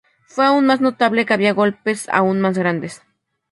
Fue aún más notable que había golpes aún más grandes.